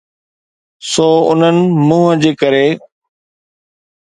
سو انهن منهن جي ڪري.